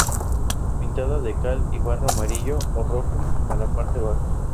Pintada de cal y barro amarillo o rojo a la parte baja.